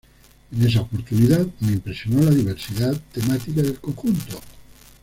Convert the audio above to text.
En esa oportunidad me impresionó la diversidad temática del conjunto.